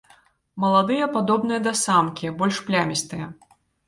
Маладыя падобныя да самкі, больш плямістыя.